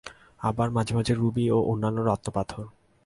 আর মাঝে রুবি ও অন্যান্য রত্নপাথর।